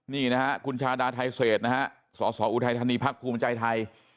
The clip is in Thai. นี่นะฮะคุณชาดาไทเศษนะฮะสสออุทัยธานีพักภูมิใจไทย